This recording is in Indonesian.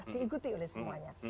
diikuti oleh semuanya